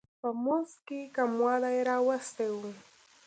په مزد کې یې کموالی راوستی و.